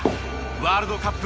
ワールドカップ